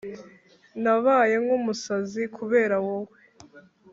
Nabaye nk’umusazi kubera wowe